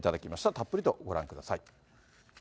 たっぷりとご覧ください。